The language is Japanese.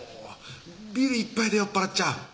ビール１杯で酔っ払っちゃう？